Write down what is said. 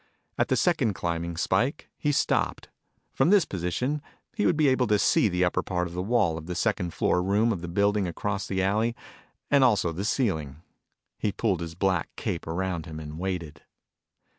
At the second climbing spike, he stopped. From this position he would be able to see the upper part of the wall of the second floor room of the building across the alley, and also the ceiling. He pulled his black cape around him and waited.